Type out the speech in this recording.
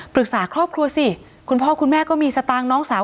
ปรึกษาครอบครัวสิคุณพ่อคุณแม่ก็มีสตางค์น้องสาว